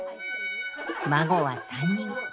孫は３人。